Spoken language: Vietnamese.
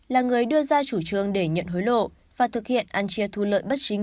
là người đưa ra chủ trương để nhận hối lộ và thực hiện ăn chia thu lợi bất chính